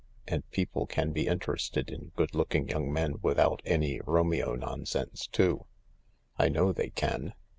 And people can be interested in good looking young men without any Romeo nonsense too. I know they can.